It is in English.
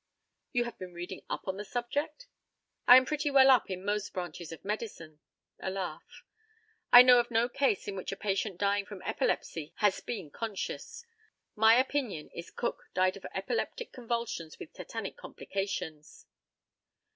You have been reading up this subject? I am pretty well up in most branches of medicine. (A laugh.) I know of no case in which a patient dying from epilepsy has been conscious. My opinion is Cook died of epileptic convulsions with tetanic complications.